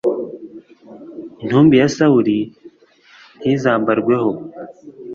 intumbi ya sawuli ntizambarweho